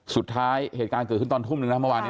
สุดท้ายเหตุการณ์เกิดขึ้นตอนทุ่มหนึ่งเมื่อวาน